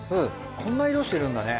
こんな色してるんだね。